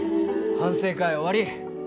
反省会終わり！